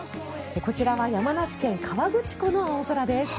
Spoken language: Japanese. こちらは山梨県・河口湖の青空です。